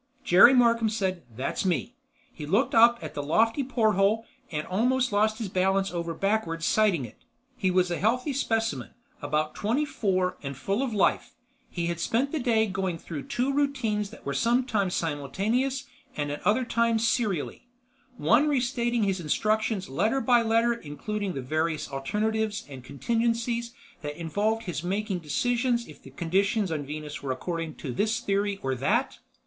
Jerry Markham said, "That's me!" He looked up at the lofty porthole and almost lost his balance over backwards sighting it. He was a healthy specimen, about twenty four and full of life. He had spent the day going through two routines that were sometimes simultaneous and at other times serially; one re stating his instructions letter by letter including the various alternatives and contingencies that involved his making decisions if the conditions on Venus were according to this theory or that.